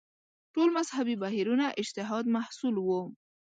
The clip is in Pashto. ټول مذهبي بهیرونه اجتهاد محصول وو